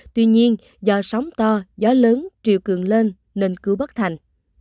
tuy nhiên do sóng to gió lớn triều cường lên nên cứ bất thành